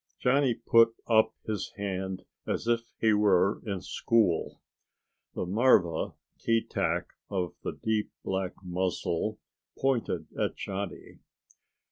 Johnny put up his hand as if he were in school. The marva, Keetack, of the deep black muzzle, pointed at Johnny.